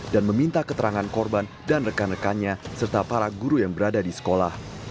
dan meminta keterangan korban dan rekan rekannya serta para guru yang berada di sekolah